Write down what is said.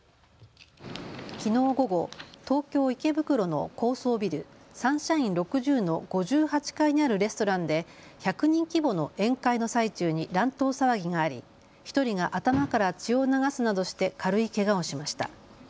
きのう午後、東京池袋の高層ビル、サンシャイン６０の５８階にあるレストランで１００人規模の宴会の最中に乱闘騒ぎがあり１人が頭から血を流すなどして軽いけがをしました。